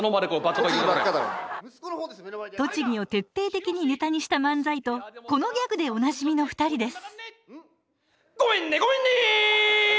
栃木を徹底的にネタにした漫才とこのギャグでおなじみの２人です